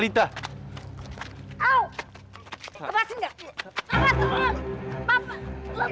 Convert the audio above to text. kita pergi pak